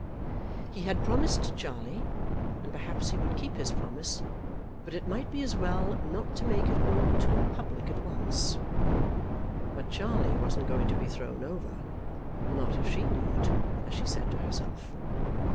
He had promised Charlie, and perhaps he would keep his promise, but it might be as well not to make it all too public at once. But Charlie wasn't going to be thrown over; not if she knew it, as she said to herself.